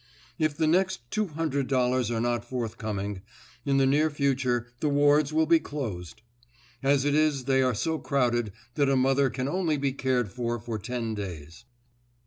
If the next two hundred dollars are not forthcoming, in the near future the wards will be closed. As it is they are so crowded that a mother can only be cared for for ten days.